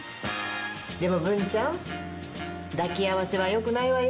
でも文ちゃん抱き合わせはよくないわよ。